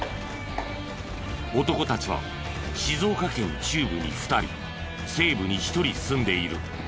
男たちは静岡県中部に２人西部に１人住んでいる。